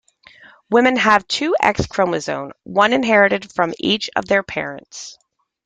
Women have two X chromosomes, one inherited from each of their parents.